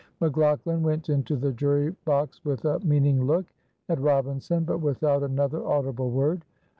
McLaughlan went into the jury box with a meaning look at Robinson, but without another audible word.